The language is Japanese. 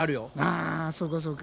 あそうかそうか。